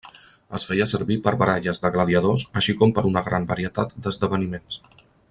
Es feia servir per baralles de gladiadors així com per una gran varietat d'esdeveniments.